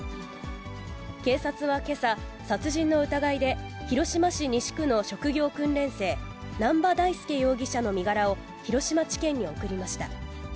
警察はけさ、殺人の疑いで、広島市西区の職業訓練生、南波大祐容疑者の身柄を、広島地検に送りました。